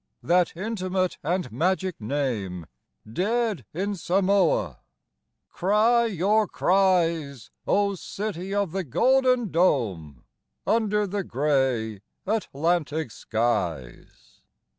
That intimate and magic name: "Dead in Samoa." ... Cry your cries, O city of the golden dome, Under the gray Atlantic skies!